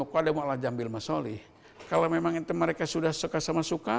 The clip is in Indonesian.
kalau memang itu mereka sudah suka sama suka